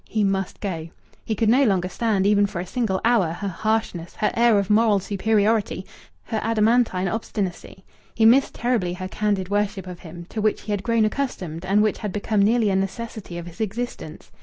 He must go. He could no longer stand, even for a single hour, her harshness, her air of moral superiority, her adamantine obstinacy. He missed terribly her candid worship of him, to which he had grown accustomed and which had become nearly a necessity of his existence.